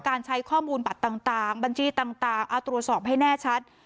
ใช้ข้อมูลบัตรต่างบัญชีต่างเอาตรวจสอบให้แน่ชัด